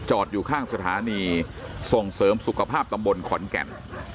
อยู่ข้างสถานีส่งเสริมสุขภาพตำบลขอนแก่น